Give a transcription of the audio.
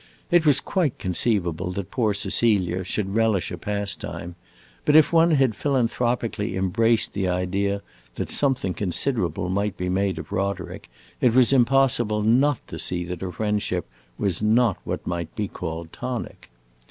It was quite conceivable that poor Cecilia should relish a pastime; but if one had philanthropically embraced the idea that something considerable might be made of Roderick, it was impossible not to see that her friendship was not what might be called tonic.